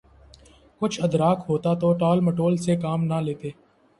کچھ ادراک ہوتا تو ٹال مٹول سے کام نہ لیتے۔